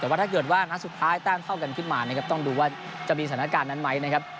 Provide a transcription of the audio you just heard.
แต่ว่าถ้าเกิดว่านัดสุดท้ายแต้มเท่ากันขึ้นมานะครับต้องดูว่าจะมีสถานการณ์นั้นไหมนะครับ